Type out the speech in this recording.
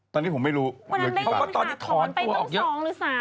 ตอนนี้ผมไม่รู้เหลือกี่ปากเพราะว่าตอนนี้ถอนตัวออกเยอะเขาก็ตอนนี้ถอนไปน้องสองหรือสาม